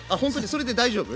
それで大丈夫？